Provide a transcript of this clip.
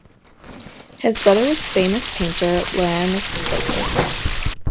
His brother was famous painter Ioannis Fokas.